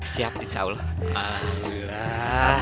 siap insya allah